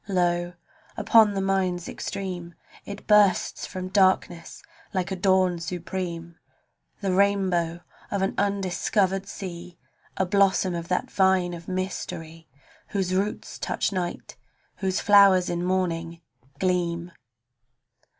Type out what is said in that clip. Lo! upon the mind's extreme It bursts from darkness like a dawn supreme — The rainbow of an undiscovered sea, A blossom of that vine of mystery Whose roots touch night, whose flowers in morning gleam.